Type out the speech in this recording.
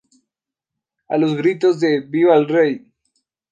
A los gritos de ""¡Viva el Rey!